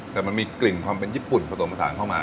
แต่มันมีกลิ่นความเป็นญี่ปุ่นผสมผสานเข้ามา